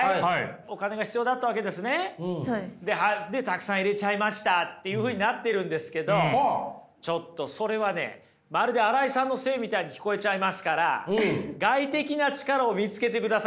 お金が必要だったわけですね？でたくさん入れちゃいましたっていうふうになってるんですけどちょっとそれはねまるで新井さんのせいみたいに聞こえちゃいますから外的な力を見つけてください。